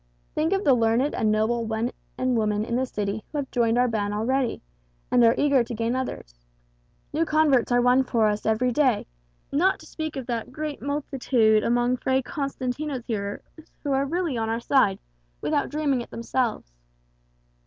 Think of the learned and noble men and women in the city who have joined our band already, and are eager to gain others! New converts are won for us every day; not to speak of that great multitude among Fray Constantino's hearers who are really on our side, without dreaming it themselves.